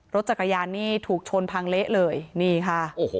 รถจักรยานนี่ถูกชนทางเละเลยนี่ค่ะ